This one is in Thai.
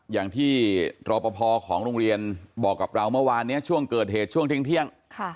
อย่างที่รอปภของโรงเรียนบอกกับเราเมื่อวานนี้ช่วงเกิดเหตุช่วงเที่ยง